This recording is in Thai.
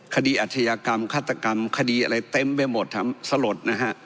คดีอัธยากรรมฆาตกรรมคดีอะไรเต็มไปหมดสลด